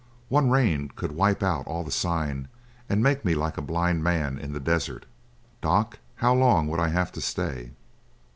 One rain could wipe out all the sign and make me like a blind man in the desert. Doc, how long would I have to stay?"